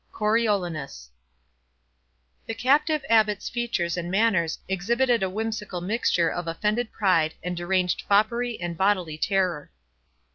CORIOLANUS The captive Abbot's features and manners exhibited a whimsical mixture of offended pride, and deranged foppery and bodily terror.